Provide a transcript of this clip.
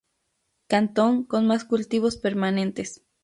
Cantón con más cultivos permanentes.